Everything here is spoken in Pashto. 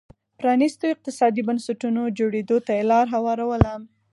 پرانيستو اقتصادي بنسټونو جوړېدو ته یې لار هواروله.